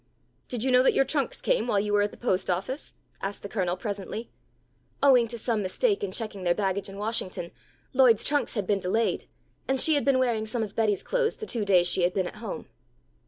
"Did you know that your trunks came while you were at the post office?" asked the Colonel presently. Owing to some mistake in checking their baggage in Washington, Lloyd's trunks had been delayed, and she had been wearing some of Betty's clothes the two days she had been at home.